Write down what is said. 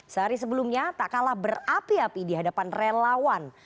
sehari sebelumnya tak kalah berapi api di hadapan relawan